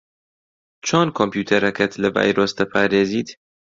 چۆن کۆمپیوتەرەکەت لە ڤایرۆس دەپارێزیت؟